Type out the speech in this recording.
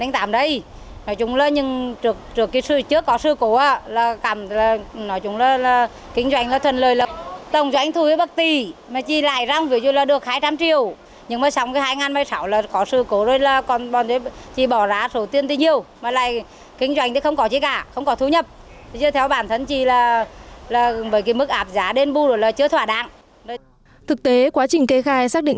thực tế quá trình cây khai xác định